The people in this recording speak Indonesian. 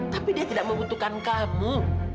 tapi dia tidak membutuhkan kamu